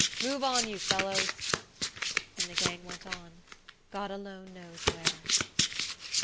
Move on, you fellows!" And the gang went on, God alone knows where.